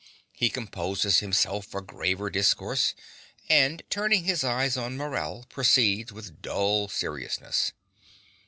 (He composes himself for graver discourse, and turning his eyes on Morell proceeds with dull seriousness.)